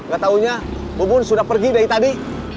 gak taunya bubun sudah pergi dari tadi